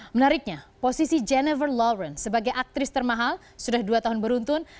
menariknya posisi jennifer lawren sebagai aktris termahal sudah dua tahun beruntun